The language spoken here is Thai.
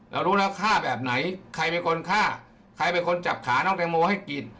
เรารู้แล้วว่าฆ่าแบบไหนใครเป็นคนฆ่าใครเป็นคนจับขานอกแดงมูให้กรีด